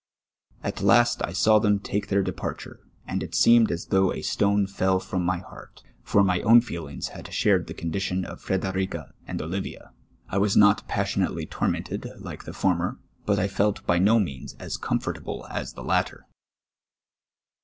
At last I saw them take their departure, and it seemed as though a stone fell fi*om my heart ; for my own feelings had shared the condition of Frederica and Olivia : I was not pas sionately tormented like the fonner, but I felt by no means as comfortable as tho latter.